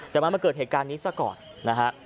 แต่มันมาเกิดเหตุการณ์นี้ซะก่อนนะฮะ